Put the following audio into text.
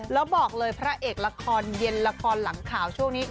แล้วบอกเลยพระเอกละครเย็นละครหลังข่าวช่วงนี้